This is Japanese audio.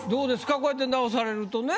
こうやって直されるとね。